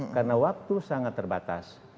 karena waktu sangat terbatas